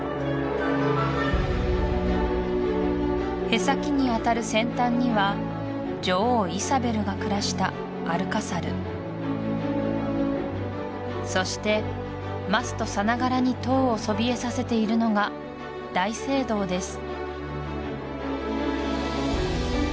へさきにあたる先端には女王イサベルが暮らしたそしてマストさながらに塔をそびえさせているのが大聖堂です